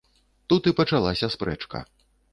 Тут і пачалася спрэчка.